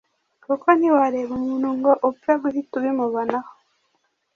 kuko ntiwareba umuntu ngo upfe guhita ubimubonaho,